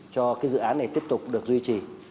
cho dự án này tiếp tục được duy trì